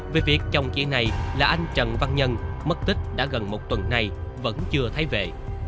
về việc chồng chị này là anh trần văn nhân mất tích đã gần một tuần nay vẫn chưa thấy vệ